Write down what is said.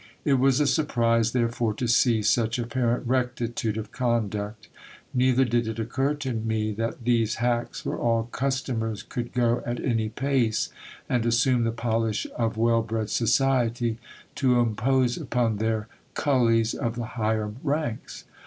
It was a surprise therefore to see such apparent rectitude of coaduct ; neither did it occur to me that these hacks for all customers could go at any pace, and assume the polish of well bred society, to impose upon their cu lies of the higher ranks.